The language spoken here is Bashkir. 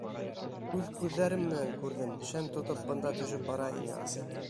— Үҙ күҙҙәрем менән күрҙем, шәм тотоп бында төшөп бара ине Асет.